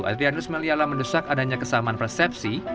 adrianus meliala mendesak adanya kesamaan persepsi